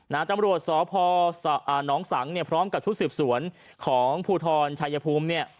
น้าจำรวจสพนสังพร้อมกับชุดสิบสวนของภูทรชายภูมิ